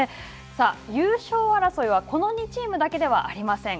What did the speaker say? さあ、優勝争いは、この２チームだけではありません。